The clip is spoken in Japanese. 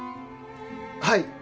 はい！